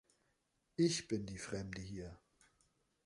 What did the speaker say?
Ich bin die Fremde hier.